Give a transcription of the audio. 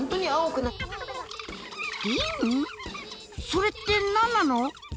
それって何なの？